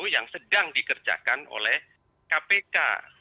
yang sedang dikerjakan oleh kpk